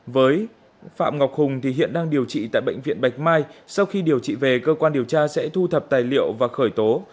với phạm ngọc hùng thì hiện đang điều trị tại bệnh viện bạch mai sau khi điều trị về cơ quan điều tra sẽ thu thập tài liệu và khởi tố